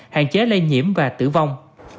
hạn chế lây nhiễm và tử vong